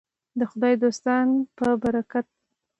د خدای دوستانو په برکت.